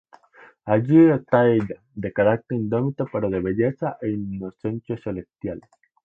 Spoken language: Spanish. Allí está ella; de carácter indómito pero de belleza e inocencia celestial.